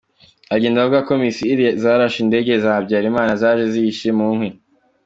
Agenda avuga ko Missile zarashe indege ya Habyarimana, zaje zihishe mu nkwi.